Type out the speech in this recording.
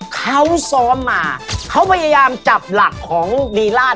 เขาซ้อมมาเขาพยายามจับหลักของดีราช